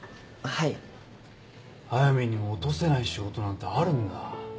はやみんにも落とせない仕事なんてあるんだ。